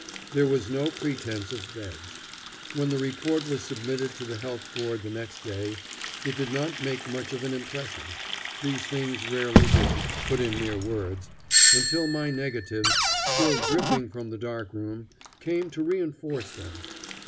There was no pretence of beds. When the report was submitted to the Health Board the next day, it did not make much of an impression these things rarely do, put in mere words until my negatives, still dripping from the dark room, came to reenforce them.